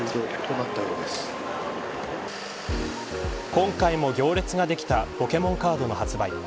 今回も行列ができたポケモンカードの発売。